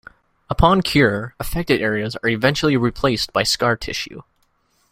Upon cure, affected areas are eventually replaced by scar tissue.